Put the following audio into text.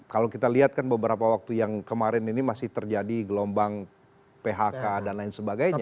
kalau kita lihat kan beberapa waktu yang kemarin ini masih terjadi gelombang phk dan lain sebagainya